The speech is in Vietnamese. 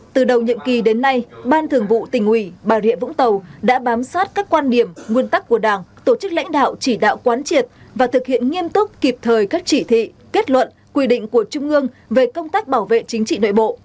từ đầu nhiệm kỳ đến nay ban thường vụ tỉnh ủy bà rịa vũng tàu đã bám sát các quan điểm nguyên tắc của đảng tổ chức lãnh đạo chỉ đạo quán triệt và thực hiện nghiêm túc kịp thời các chỉ thị kết luận quy định của trung ương về công tác bảo vệ chính trị nội bộ